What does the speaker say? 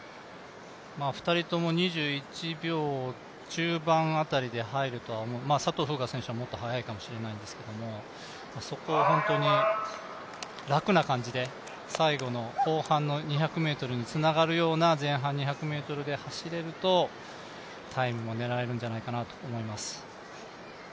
２人とも２１秒中盤あたりで佐藤風雅選手はもっと速いかもしれないですけどそこを楽な感じで最後の後半の２００ｍにつながるような前半２００ｍで走れると、タイムも狙えるんじゃないかなと思います。